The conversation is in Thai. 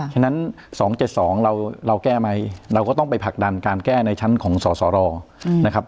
ฉะนั้น๒๗๒เราแก้ไหมเราก็ต้องไปผลักดันการแก้ในชั้นของสสรนะครับ